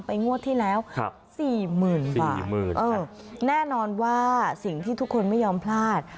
งวดที่แล้วสี่หมื่นบาทแน่นอนว่าสิ่งที่ทุกคนไม่ยอมพลาด